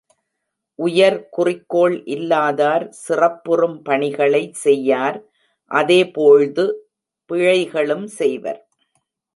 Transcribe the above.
உயர் குறிக்கோள் இலாதார் சிறப்புறும் பணிகளை செய்யார் அதே போழ்து பிழைகளும் செய்வர்.